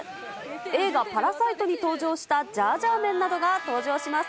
映画、パラサイトに登場したジャージャー麺などが登場します。